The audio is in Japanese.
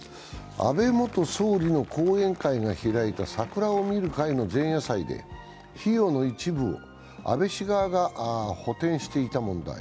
安倍元総理の後援会が開いた桜を見る会の前夜祭で費用の一部を安倍氏側が補填していた問題。